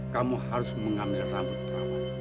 kamu harus mengambil rambut rambut